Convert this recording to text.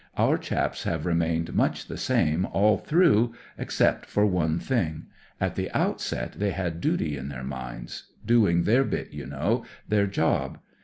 Our chaps have remained much the sr ne all through, except for one thing. At the outset they had duty in theur minds, doing their bit, you know— their job.